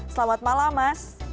selamat malam mas